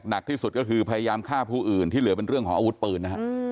หนักที่สุดก็คือพยายามฆ่าผู้อื่นที่เหลือเป็นเรื่องของอาวุธปืนนะฮะ